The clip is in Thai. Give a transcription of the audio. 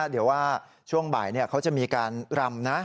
เดี๋ยวว่าช่วงบ่ายเขาจะมีการรำนะ